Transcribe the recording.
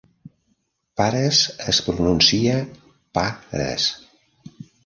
"Pares" és pronuncia "pah-res.